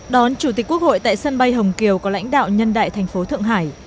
đón chủ tịch quốc hội tại sân bay hồng kiều có lãnh đạo nhân đại thành phố thượng hải